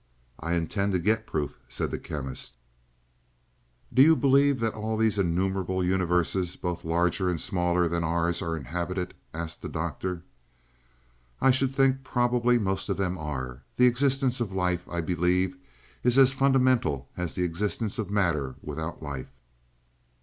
"I intend to get proof," said the Chemist. "Do you believe all these innumerable universes, both larger and smaller than ours, are inhabited?" asked the Doctor. "I should think probably most of them are. The existence of life, I believe, is as fundamental as the existence of matter without life."